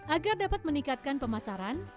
agar dapat meningkatkan pemasaran